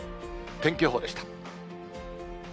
天気予報でした。